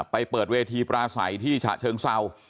เปิดเวทีปราศัยที่ฉะเชิงเศร้า